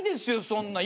そんな。